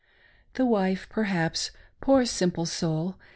The wife, per haps, poor simple soul